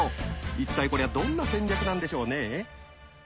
一体これはどんな戦略なんでしょうね？